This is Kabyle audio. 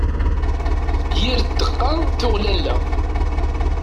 Yir ddeqqa tuɣ lalla.